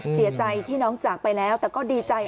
เสียใจที่น้องจากไปแล้วแต่ก็ดีใจ